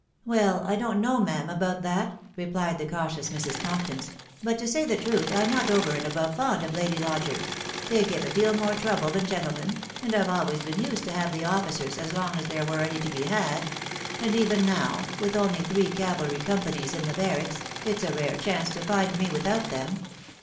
<f Well ..%. I don't know, ma'am, about that," replied the cautious Mrs. Tompkins ;" but, to say the truth, I'm not over and above fond of lady lodgers .... they give a deal more trouble than gentlemen, and I've always been used to have the officers as long as there were any to be had ; and even now, with only three cavalry companies in the barracks, it's a rare chance to find me without them."